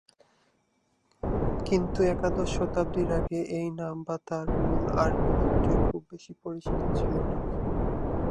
কিন্তু একাদশ শতাব্দীর আগে এই নাম বা তার মূল আরবী নামটিও খুব বেশি পরিচিত ছিল না।